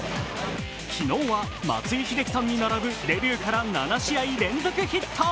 昨日は松井秀喜さんに並ぶデビューから７試合連続ヒット。